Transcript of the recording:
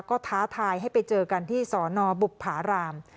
ก็ท้าทายให้ไปเจอกันที่สอนอบุภาราม